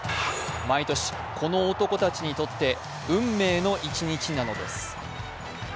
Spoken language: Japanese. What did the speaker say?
毎年この男たちにとって運命の一日なのです。